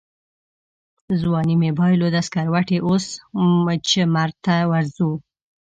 ځواني مې بایلوده سکروټې اوس مجمرته ورځو